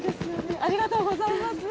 ありがとうございます。